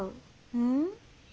うん？